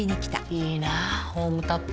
いいなホームタップ。